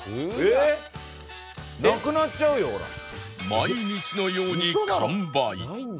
毎日のように完売